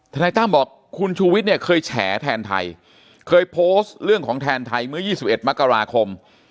นายตั้มบอกคุณชูวิทย์เนี่ยเคยแฉแทนไทยเคยโพสต์เรื่องของแทนไทยเมื่อ๒๑มกราคม